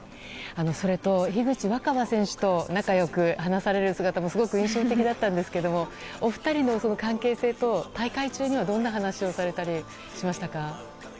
それと、樋口新葉選手と仲良く話される姿もすごく印象的だったんですけどもお二人の関係性と大会中にはどんな話をされたりしましたか？